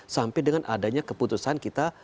sampai dengan adanya keputusan kita